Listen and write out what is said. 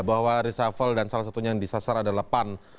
bahwa reshuffle dan salah satunya yang disasar adalah pan